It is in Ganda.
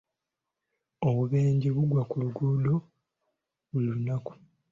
Obubenje bugwa ku nguudo buli lunaku.